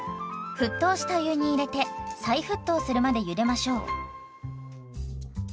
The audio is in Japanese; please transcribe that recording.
沸騰した湯に入れて再沸騰するまでゆでましょう。